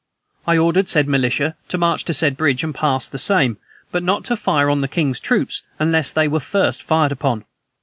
I ordered said militia to march to said bridge and pass the same, but not to fire on the king's troops unless they were first fired upon.